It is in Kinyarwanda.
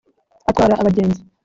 atwara abagenzi